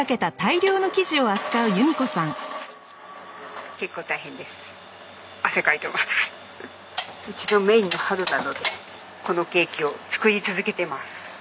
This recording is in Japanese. うちのメインのＨＡＲＵなのでこのケーキを作り続けてます。